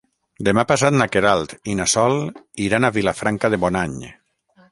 Demà passat na Queralt i na Sol iran a Vilafranca de Bonany.